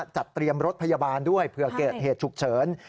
จัดเตรียมรถพยาบาลด้วยเผื่อเกิดเหตุฉุกเฉิน